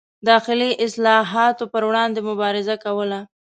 داخلي اصلاحاتو پر وړاندې مبارزه کوله.